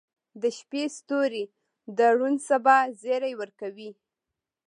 • د شپې ستوري د روڼ سبا زیری ورکوي.